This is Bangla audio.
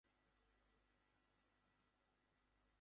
সরকারি প্রতিনিধিদের সঙ্গে আলোচনার মধ্য দিয়ে সংলাপ শুরু করার কথা তাঁর।